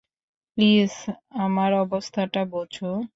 Please, আমার অবস্থাটা বোঝ।